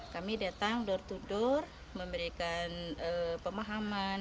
kami datang door to door memberikan pemahaman